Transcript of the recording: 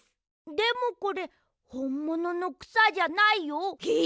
でもこれほんもののくさじゃないよ？え！？